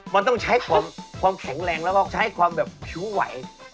มันต้องใช้ความแข็งแรงแล้วก็ใช้ความแบบผิวไหว